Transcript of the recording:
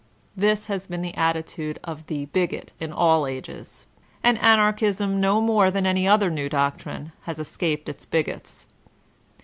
This has been the attitude of the bigot in all ages, and Anarchism no more than any other new doctrine has escaped its bigots.